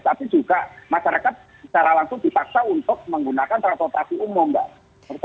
tapi juga masyarakat secara langsung dipaksa untuk menggunakan transportasi umum mbak